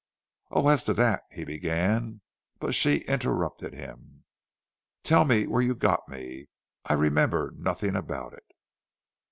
"Oh, as to that " he began; but she interrupted him. "Tell me where you got me? I remember nothing about it."